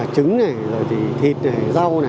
trứng thịt rau